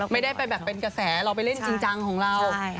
ไม่ได้ไปแบบเป็นกระแสเราไปเล่นจริงจังของเรา